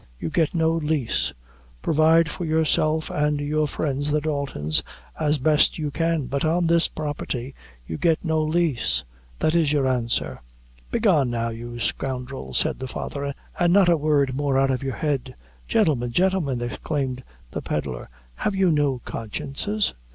You get no lease. Provide for yourself and your friends, the Daltons, as best you can, but on this property you get no lease. That is your answer." "Begone, now, you scoundrel," said the father, "and not a word more out of your head." "Gintlemen! gintlemen!" exclaimed the pedlar, "have you no consciences?